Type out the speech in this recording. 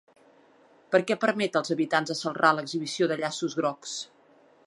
Per què permet als habitants de Celrà l'exhibició de llaços grocs?